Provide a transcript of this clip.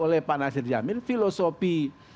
oleh pak nasir jamil filosofi